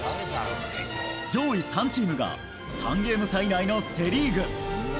上位３チームが３ゲーム差以内のセ・リーグ。